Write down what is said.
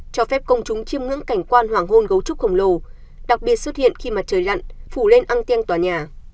cho phép công chúng chiêm ngưỡng cảnh quan hoàng hôn gấu trúc khổng lồ đặc biệt xuất hiện khi mặt trời lặn phủ lên ăn tiếng tòa nhà